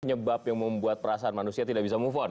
penyebab yang membuat perasaan manusia tidak bisa move on